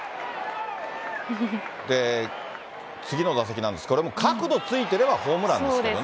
で、次の打席なんですが、これも角度ついてればホームランですけどね。